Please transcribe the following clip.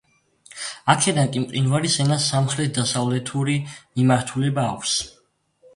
აქედან კი მყინვარის ენას სამხრეთ-დასავლეთური მიმართულება აქვს.